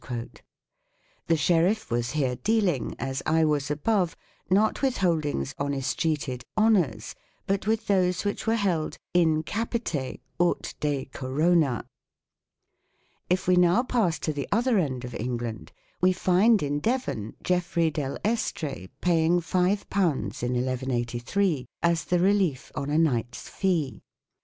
3 The sheriff was here dealing, as I was above, not with holdings on escheated "honours," but with those which were held " in capite ut de corona ". If we now pass to the other end of England, we find in Devon Geoffrey del Estre paying $ in 1 183 as the relief on a knight's fee.